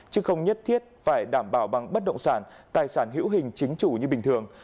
chứ không nhất thiết phải đảm bảo bằng bất động sản tài sản hữu hình chính chủ như bình thường